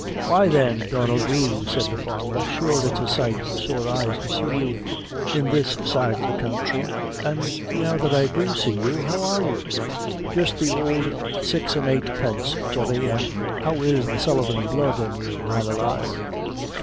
"Why, then, Donnel Dhu," said the farmer, "sure it's a sight for sore eyes to see you in this side of the country; an' now that I do see you, how are you?" "Jist the ould six an' eight pence, Jerry; an' how is the Sullivan blood in you, man alive?